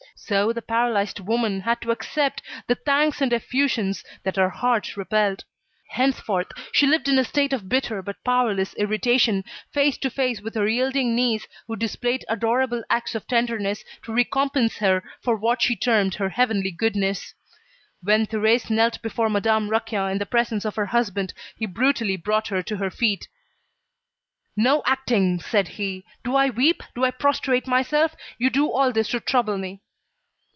So the paralysed woman had to accept the thanks and effusions that her heart repelled. Henceforth, she lived in a state of bitter but powerless irritation, face to face with her yielding niece who displayed adorable acts of tenderness to recompense her for what she termed her heavenly goodness. When Thérèse knelt before Madame Raquin, in the presence of her husband, he brutally brought her to her feet. "No acting," said he. "Do I weep, do I prostrate myself? You do all this to trouble me."